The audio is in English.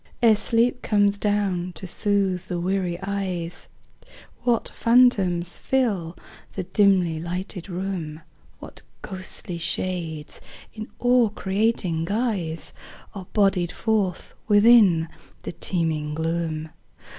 Ere sleep comes down to soothe the weary eyes, What phantoms fill the dimly lighted room; What ghostly shades in awe creating guise Are bodied forth within the teeming gloom.